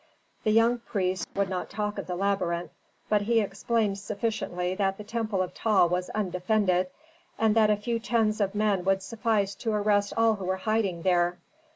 The young priest would not talk of the labyrinth, but he explained sufficiently that the temple of Ptah was undefended, and that a few tens of men would suffice to arrest all who were hiding there.